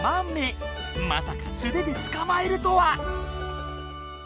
まさか素手でつかまえるとは！